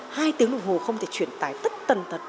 hai tiếng đồng hồ không thể truyền tải tất tần thật